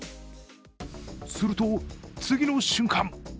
すると次の瞬間。